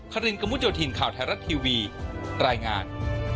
คลินกำลูกโจทินข่าวไทยรัตน์ทีวีรายงาน